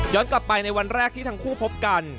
กลับไปในวันแรกที่ทั้งคู่พบกัน